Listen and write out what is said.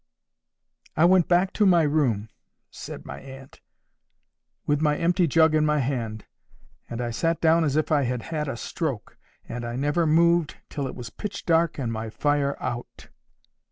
—'I went back to my room,' said my aunt, 'with my empty jug in my hand, and I sat down as if I had had a stroke, and I never moved till it was pitch dark and my fire out.